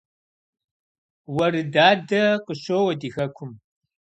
Уэрыдадэ къыщоуэ ди хэкум